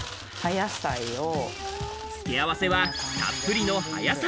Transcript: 付け合わせはたっぷりの葉野菜。